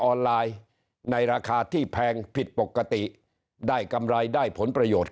ออนไลน์ในราคาที่แพงผิดปกติได้กำไรได้ผลประโยชน์